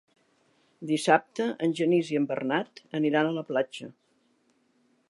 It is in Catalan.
Dissabte en Genís i en Bernat aniran a la platja.